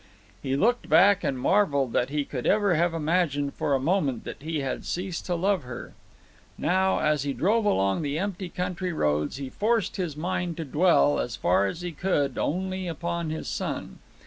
He looked back and marvelled that he could ever have imagined for a moment that he had ceased to love her. Now, as he drove along the empty country roads, he forced his mind to dwell, as far as he could, only upon his son.